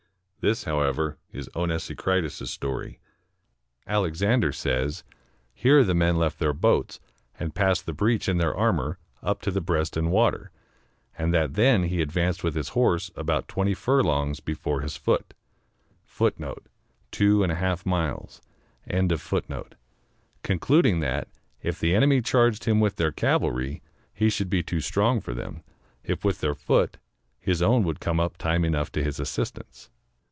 " This, however, is Onesicritus's story. Alexander says, here the men left their boats, and passed the breach in their armor, up to the breast in water, and that then he advanced with his horse about twenty furlongs ^ before his foot, concluding that if the enemy charged him with their cavalry, he should be too strong for them; if with their foot, his own would come up time enough to his assistance.